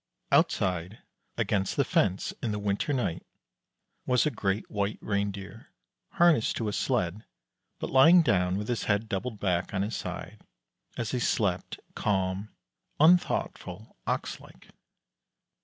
Outside, against the fence, in the winter night, was a Great White Reindeer, harnessed to a sled, but lying down with his head doubled back on his side as he slept, calm, unthoughtful, ox like.